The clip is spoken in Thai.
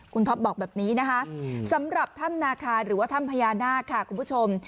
คุณท็อปบอกแบบนี้นะคะสำหรับถ้ำนาคาหรือว่าถ้ำพญานาคค่ะคุณผู้ชม